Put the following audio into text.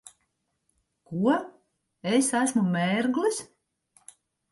Ko? Es esmu mērglis?